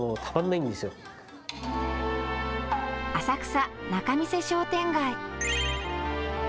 浅草、仲見世商店街。